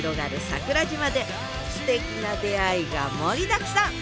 桜島ですてきな出会いが盛りだくさん！